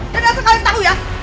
dan asal kalian tau ya